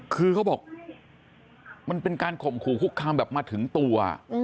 คือเขาบอกมันเป็นการข่มขู่คุกคามแบบมาถึงตัว